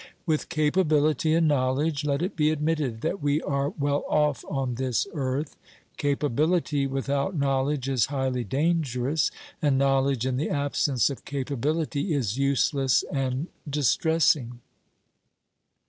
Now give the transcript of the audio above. With capability and knowledge, let it be admitted that we are well off on this earth. Capability without knowledge is highly dangerous, and knowledge in the absence of capa bility is useless and distressing.